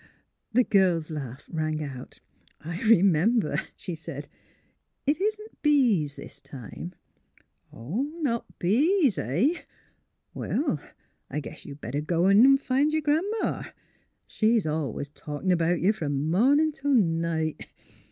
The girl's laugh rang out. " I remember," she said. '* It isn't bees this time. ''" Not bees — eh? Well, I guess you'd better go in an' find yer Gran 'ma. She's always talkin' 'bout you, f'om mornin' till night.